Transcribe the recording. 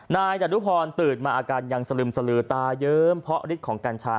นายดรุพรตื่นมาอาการยังสลึมสลือตาเยิ้มเพราะฤทธิ์ของกัญชา